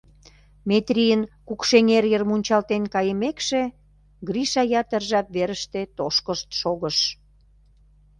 Метрийын Кукшеҥер йыр мунчалтен кайымекше, Гриша ятыр жап верыште тошкышт шогыш.